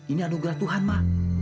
ini anugerah tuhan ma